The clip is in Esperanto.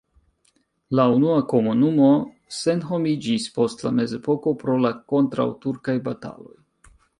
La unua komunumo senhomiĝis post la mezepoko pro la kontraŭturkaj bataloj.